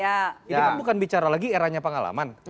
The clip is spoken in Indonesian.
ya kan bukan bicara lagi eranya pengalaman